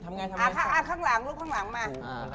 อ้าวข้างหลังลูกข้างหลังมา